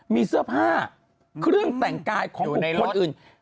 มีเสื้อผ้าเครื่องแต่งกายของบุคคลอื่น